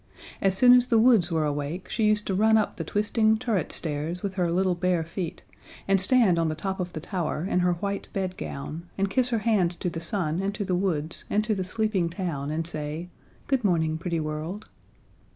As soon as the woods were awake, she used to run up the twisting turret stairs with her little bare feet, and stand on the top of the tower in her white bed gown, and kiss her hands to the sun and to the woods and to the sleeping town, and say: "Good morning, pretty world!"